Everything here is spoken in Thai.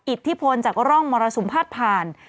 อิทธิพลจากร่องมรสมภาษภาล